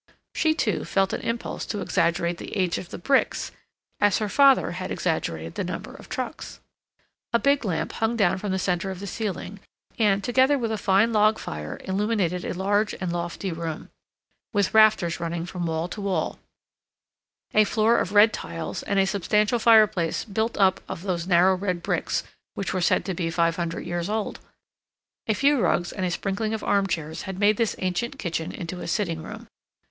She, too, felt an impulse to exaggerate the age of the bricks, as her father had exaggerated the number of trucks. A big lamp hung down from the center of the ceiling and, together with a fine log fire, illuminated a large and lofty room, with rafters running from wall to wall, a floor of red tiles, and a substantial fireplace built up of those narrow red bricks which were said to be five hundred years old. A few rugs and a sprinkling of arm chairs had made this ancient kitchen into a sitting room.